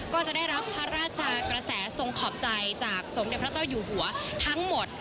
ก็จะได้รับพระราชกระแสทรงขอบใจจากสมเด็จพระเจ้าอยู่หัวทั้งหมด